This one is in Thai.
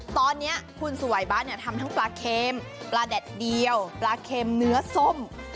ตอนนี้คุณสวัยบ้านทำทั้งปลาเค็มปลาแดดเดียวปลาเค็มเนื้อส้ม